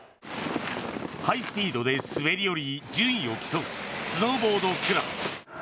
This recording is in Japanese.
ハイスピードで滑り降り順位を競うスノーボードクロス。